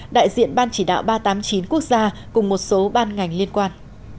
đại diện ban chỉ đạo ba trăm tám mươi chín quốc gia cùng một số ban ngành liên quan